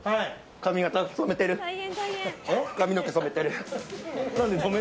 髪の毛、染めてる。